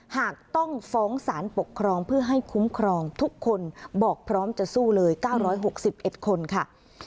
หากต้องฟ้องสารปกครองเพื่อให้คุ้มครองทุกคนบอกพร้อมจะสู้เลย๙๖๑คนค่ะ